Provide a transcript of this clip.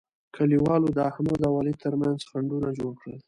کلیوالو د احمد او علي ترمنځ خنډونه جوړ کړل.